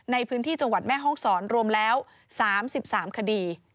ในพื้นที่จังหวัดแม่ห้องศรรวมแล้ว๓๓คดี